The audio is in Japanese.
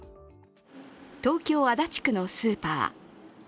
東京・足立区のスーパー。